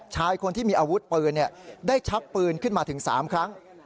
ชายคนที่มีอาวุธปืนได้ชักปืนขึ้นมาถึง๓ครั้ง